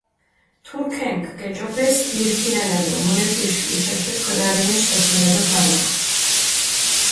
თურქენქ გეჭოფეს ირ ქიანა დო მუნეფიში უჩაშეფი ქჷდარინეს სოფელო დო ქალაქო.